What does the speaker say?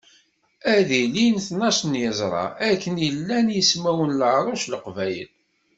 Ad ilin tnac n yeẓra, akken i llan yismawen n leɛruc n leqbayel.